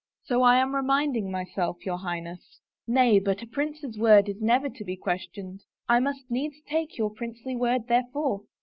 " So I am reminding myself, your Highness." " Nay, but a prince's word is never to be questioned." I must needs take your princely word therefore."